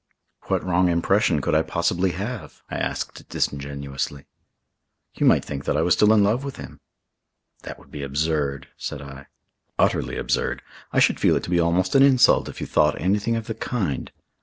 "What wrong impression could I possibly have?" I asked disingenuously. "You might think that I was still in love with him." "That would be absurd," said I. "Utterly absurd. I should feel it to be almost an insult if you thought anything of the kind.